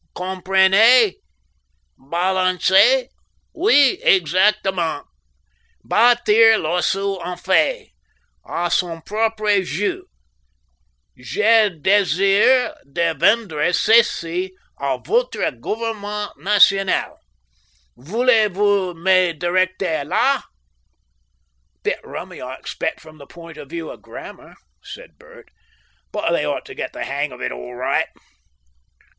Comprenez? Balancer? Oui, exactement! Battir l'oiseau en fait, a son propre jeu. Je desire de vendre ceci a votre government national. Voulez vous me directer la? "Bit rummy, I expect, from the point of view of grammar," said Bert, "but they ought to get the hang of it all right.